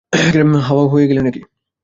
হাওয়া হয়ে গেলি নাকি!